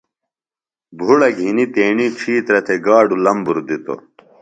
بھُڑہ گِھنیۡ تیݨی ڇھیترہ تھےۡ گاڈو لمبر دِتوۡ۔